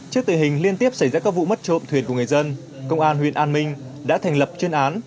trước tình hình liên tiếp xảy ra các vụ mất trộm thuyền của người dân công an huyện an minh đã thành lập chuyên án